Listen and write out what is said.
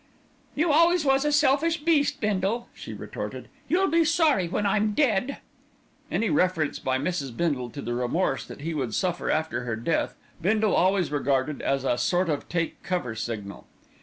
"You always was a selfish beast, Bindle," she retorted. "You'll be sorry when I'm dead." Any reference by Mrs. Bindle to the remorse that he would suffer after her death, Bindle always regarded as a sort of "take cover" signal.